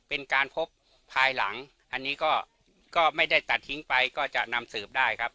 เป็นการพบภายหลังอันนี้ก็ไม่ได้ตัดทิ้งไปก็จะนำสืบได้ครับ